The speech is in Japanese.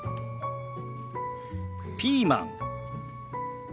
ピーマン。